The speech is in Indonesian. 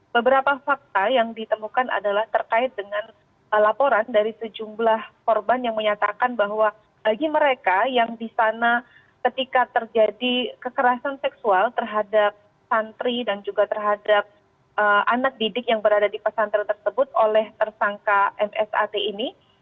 beberapa fakta yang ditemukan adalah terkait dengan laporan dari sejumlah korban yang menyatakan bahwa bagi mereka yang di sana ketika terjadi kekerasan seksual terhadap santri dan juga terhadap anak didik yang berada di pesantren tersebut oleh tersangka msat ini